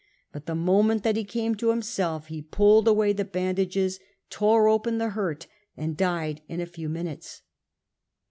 But the moment that he came to himself he pulled away the bandages, tore open the hurt, and died in a few minutes.